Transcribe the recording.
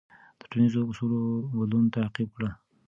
د ټولنیزو اصولو بدلون تعقیب کړه.